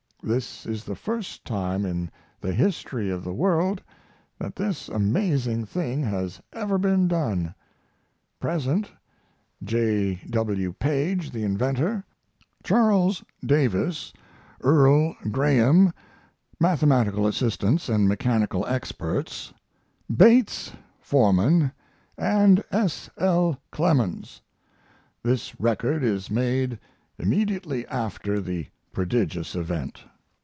This is the first time in the history of the world that this amazing thing has ever been done. Present: J. W. Paige, the inventor; Charles Davis, | Mathematical assistants Earll |& mechanical Graham | experts Bates, foreman, and S. L. Clemens. This record is made immediately after the prodigious event.